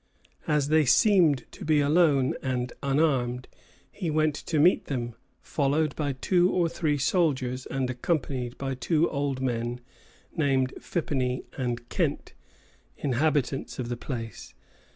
As they seemed to be alone and unarmed, he went to meet them, followed by two or three soldiers and accompanied by two old men named Phippeny and Kent, inhabitants of the place.